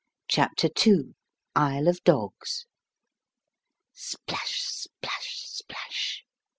CHAPTER II. ISLE OF DOGS. PLASH, splash, splash!